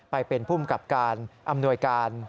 ไปเป็นภูมิกับการอำนวยการ